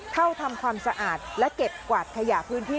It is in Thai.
ทำความสะอาดและเก็บกวาดขยะพื้นที่